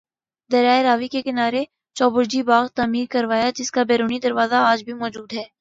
دریائے راوی کے کنارے چوبرجی باغ تعمیر کروایا جس کا بیرونی دروازہ آج بھی موجود ہے